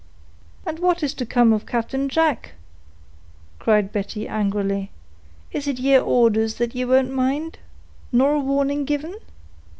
"And what is to come of Captain Jack?" cried Betty, angrily. "Is it yeer orders that ye won't mind, nor a warning given?